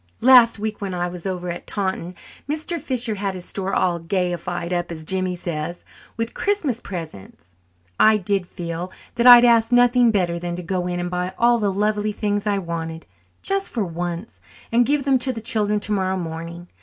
Last week when I was over at Taunton, Mr. Fisher had his store all gayified up,' as Jim says, with Christmas presents. I did feel that I'd ask nothing better than to go in and buy all the lovely things I wanted, just for once, and give them to the children tomorrow morning.